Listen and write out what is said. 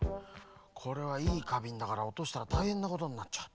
これはいいかびんだからおとしたらたいへんなことになっちゃう。